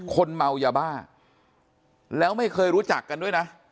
คนเมายาบ้าแล้วไม่เคยรู้จักกันด้วยนะ